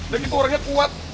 dan itu orangnya kuat